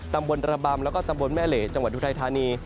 ตำบลระบำแล้วก็ตำบลแม่เหลจังหวัดอุทัยธานี